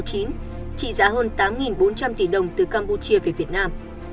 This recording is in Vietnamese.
trị giá trị hơn tám bốn trăm linh tỷ đồng từ campuchia về việt nam